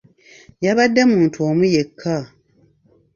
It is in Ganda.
Yabadde omuntu omu yekka.